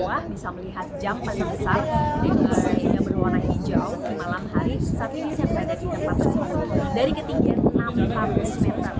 saya bisa melihat jam panjang besar hingga berwarna hijau di malam hari saat ini saya berada di tempat paling tinggi dari ketinggian enam empat ratus meter